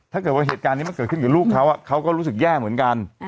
ถ้าเกิดว่าเหตุการณ์นี้มันเกิดขึ้นกับลูกเขาเขาก็รู้สึกแย่เหมือนกัน